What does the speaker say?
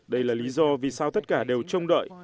đây là lý do vì sao tất cả đều trông đợi